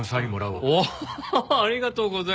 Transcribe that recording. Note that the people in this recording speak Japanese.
うわっありがとうございます。